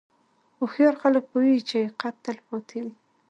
هوښیار خلک پوهېږي چې حقیقت تل پاتې وي.